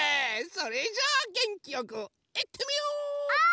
それじゃあげんきよくいってみよう！